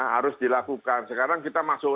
harus dilakukan sekarang kita masuk